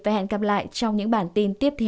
và hẹn gặp lại trong những bản tin tiếp theo